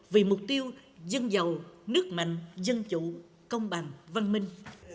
vì mục tiêu dân giàu nước mạnh dân chủ công bằng văn minh